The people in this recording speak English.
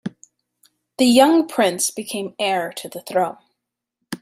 The young prince became heir to the throne.